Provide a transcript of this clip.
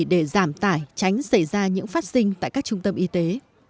để giảm tải tránh xảy ra những vaccine tại các trung tâm y tế